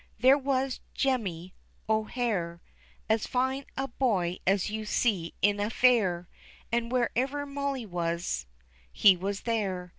There was Jemmy O'Hare, As fine a boy as you'd see in a fair, And wherever Molly was he was there.